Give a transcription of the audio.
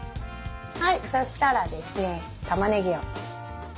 はいそしたらですねたまねぎを。